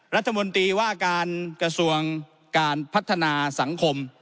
รัฐมนตรีว่าการกระทรวงการพัฒนาสังคม